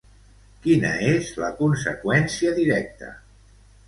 Quina és la conseqüència directa?